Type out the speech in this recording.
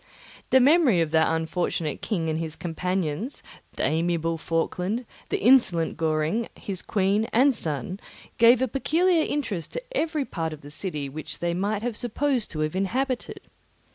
The memory of that unfortunate king and his companions, the amiable Falkland, the insolent Goring, his queen, and son, gave a peculiar interest to every part of the city which they might be supposed to have inhabited.